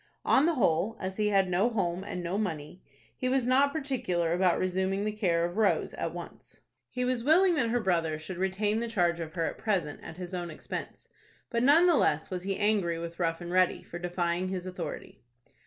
On the whole, as he had no home and no money, he was not particular about resuming the care of Rose at once. He was willing that her brother should retain the charge of her at present at his own expense, but none the less was he angry with Rough and Ready for defying his authority.